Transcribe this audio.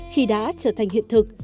khi đã trở thành hiện thực